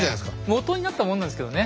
もとになったものなんですけどね。